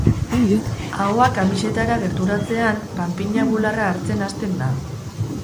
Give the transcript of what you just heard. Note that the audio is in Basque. Ahoa kamisetara gerturatzean, panpina bularra hartzen hasten da.